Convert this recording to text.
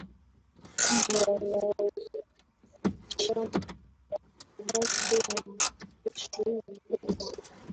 Karne ya na hujumuisha mabaki ya msikiti mkubwa